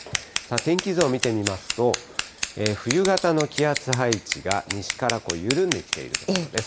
天気図を見てみますと、冬型の気圧配置が西から緩んできているところです。